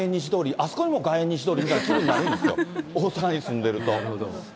あそこにも外苑西通りみたいになるんですよ、大阪に住んでると。